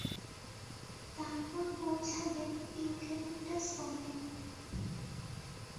তারপর পৌছাবে ইউক্যালিপটাস বনে।